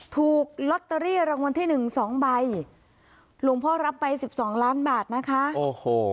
ถูกลอตเตอรี่รางวัลที่หนึ่งสองใบหลวงพ่อรับไปสิบสองล้านบาทนะคะโอ้โห